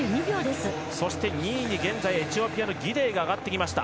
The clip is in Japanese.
そして２位に現在エチオピアのギデイが上がってきました。